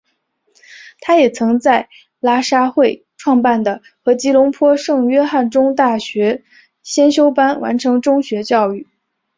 他也曾在喇沙会创办的和吉隆坡圣约翰国中大学先修班完成中学教育。